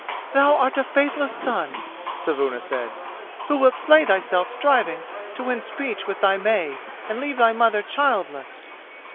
"Thou art a faithless son," Saevuna said, "who wilt slay thyself striving to win speech with thy May, and leave thy mother childless."